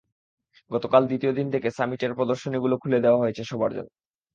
গতকাল দ্বিতীয় দিন থেকে সামিটের প্রদর্শনীগুলো খুলে দেওয়া হয়েছে সবার জন্য।